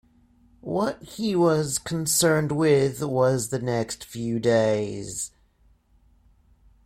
What he was concerned with was the next few days.